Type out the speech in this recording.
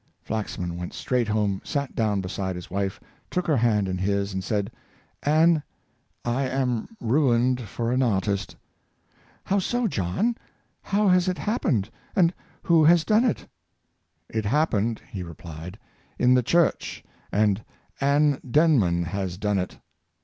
Flaxman went straight home, sat down beside his wife, took her hand in his, and said, " Ann, I am ruined for an artist." "How so, John? How has it happened? and who has done it?" "It happened," he repHed, " in the church, and Ann Den man has done it."